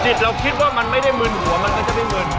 เราคิดว่ามันไม่ได้มึนหัวมันก็จะได้มึน